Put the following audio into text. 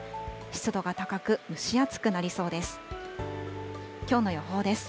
湿度が高く、蒸し暑くなりそうです。